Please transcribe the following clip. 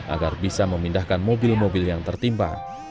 agar bisa memindahkan mobil mobil yang tertimpa